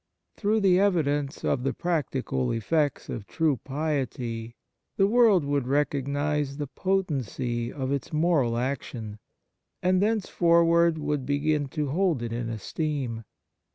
Through the evidence of the practical effects of true piety, the world would recognize the potency of its moral action ; and, thenceforward, would begin to hold it in esteem.